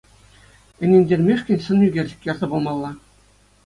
Ӗнентермешкӗн сӑн ӳкерчӗк ярса памалла.